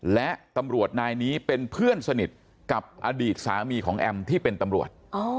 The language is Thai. และตำรวจนายนี้เป็นเพื่อนสนิทกับอดีตสามีของแอมที่เป็นตำรวจ